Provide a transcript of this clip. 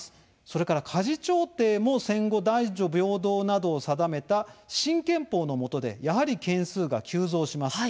それから家事調停も戦後、男女平等などを定めた新憲法のもとでやはり件数が急増します。